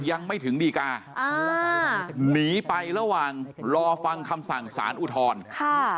ยังไม่ถึงดีกาอ่าหนีไประหว่างรอฟังคำสั่งสารอุทธรณ์ค่ะ